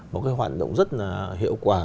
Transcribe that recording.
một cái hoạt động rất là hiệu quả